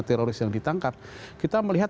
teroris yang ditangkap kita melihat